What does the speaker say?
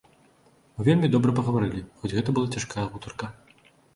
Мы вельмі добра пагаварылі, хоць гэта была цяжкая гутарка.